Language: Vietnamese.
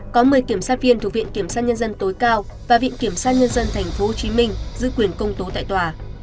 có một mươi kiểm sát viên thuộc viện kiểm sát nhân dân tối cao và viện kiểm sát nhân dân tp hcm giữ quyền công tố tại tòa